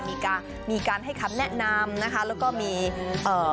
มีการมีการให้คำแนะนำนะคะแล้วก็มีเอ่อ